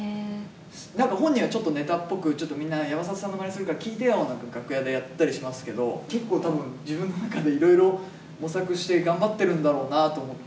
なんか本人はちょっとネタっぽく、ちょっとみんな、山里さんのまねするから聞いてよなんて、楽屋でやったりしますけど、結構たぶん、自分の中でいろいろ模索して頑張ってるんだろうなと思って。